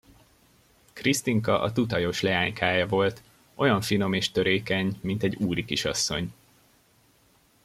Krisztinka a tutajos leánykája volt, olyan finom és törékeny, mint egy úrikisasszony.